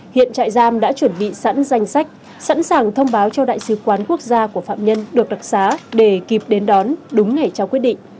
hiện trại giam đã chuẩn bị sẵn danh sách sẵn sàng thông báo cho đại sứ quán quốc gia của phạm nhân được đặc xá để kịp đến đón đúng ngày trao quyết định